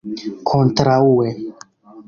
kontraŭe